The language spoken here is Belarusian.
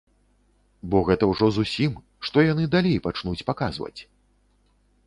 Бо гэта ўжо зусім, што яны далей пачнуць паказваць?